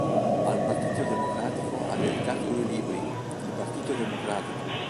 Al Partito Democratico ha dedicato due libri, "Il Partito democratico.